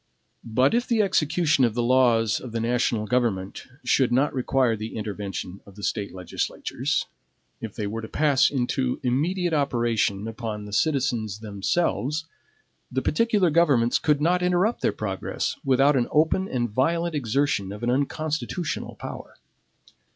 But if the execution of the laws of the national government should not require the intervention of the State legislatures, if they were to pass into immediate operation upon the citizens themselves, the particular governments could not interrupt their progress without an open and violent exertion of an unconstitutional power.